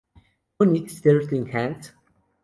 Who needs thirteen hands?